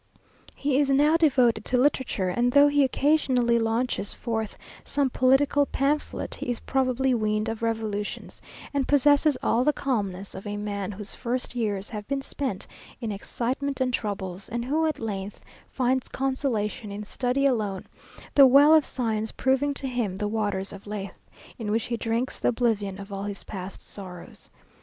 He is now devoted to literature, and though he occasionally launches forth some political pamphlet, he is probably weaned of revolutions, and possesses all the calmness of a man whose first years have been spent in excitement and troubles, and who at length finds consolation in study alone; the well of science proving to him the waters of Lethe, in which he drinks the oblivion of all his past sorrows.